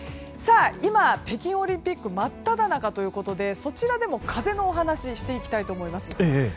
今、北京オリンピック真っただ中ということでそちらでも風のお話をしていきたいと思います。